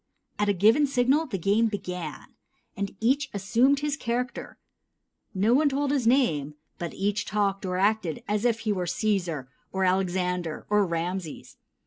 At a given signal the game began, and each assumed his character. No one told his name, but each talked or acted as if he were Cæsar, or Alexander, or Rameses.